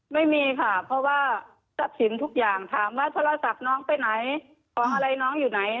ไม่มีค่ะเพราะว่าทรัพย์สินทุกอย่างถามว่าโทรศัพท์น้องไปไหนของอะไรน้องอยู่ไหน